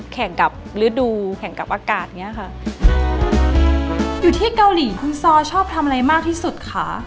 แข่งกับฤดูแข่งกับอากาศอย่างนี้ค่ะ